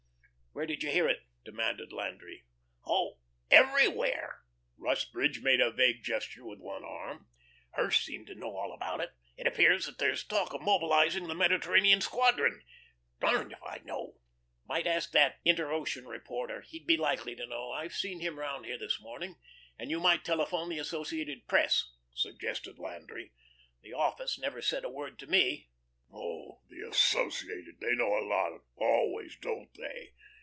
"Where did you hear it?" demanded Landry. "Oh everywhere." Rusbridge made a vague gesture with one arm. "Hirsch seemed to know all about it. It appears that there's talk of mobilising the Mediterranean squadron. Darned if I know." "Might ask that 'Inter Ocean' reporter. He'd be likely to know. I've seen him 'round here this morning, or you might telephone the Associated Press," suggested Landry. "The office never said a word to me." "Oh, the 'Associated.' They know a lot always, don't they?"